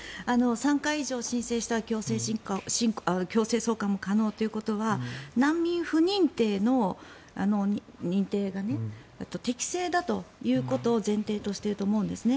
３回以上申請したら強制送還も可能ということは難民不認定の認定が適正だということを前提としていると思うんですね。